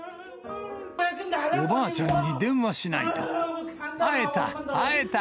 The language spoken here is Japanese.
おばあちゃんに電話しないと。